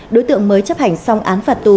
đối tượng mới chấp hành xong án phạt tù